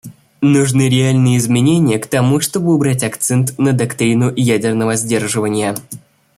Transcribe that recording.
Нужны реальные изменения к тому, чтобы убрать акцент на доктрину ядерного сдерживания.